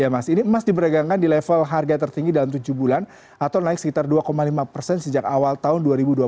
ya mas ini emas diberagangkan di level harga tertinggi dalam tujuh bulan atau naik sekitar dua lima persen sejak awal tahun dua ribu dua puluh